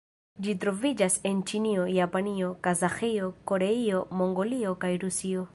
Ĝi troviĝas en Ĉinio, Japanio, Kazaĥio, Koreio, Mongolio kaj Rusio.